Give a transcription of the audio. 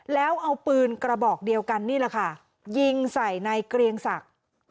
แล้วเอาปืนกระบอกเดียวกันนี่แหละค่ะยิงใส่ในเกรียงศักดิ์